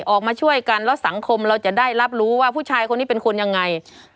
ออกมาช่วยกันแล้วสังคมเราจะได้รับรู้ว่าผู้ชายคนนี้เป็นคนยังไง